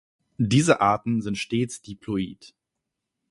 Diese Arten sind stets diploid.